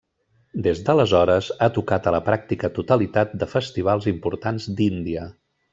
Des d'aleshores ha tocat a la pràctica totalitat de festivals importants d'Índia.